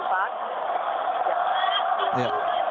oleh pemerintah tempat